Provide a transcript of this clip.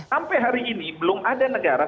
sampai hari ini belum ada negara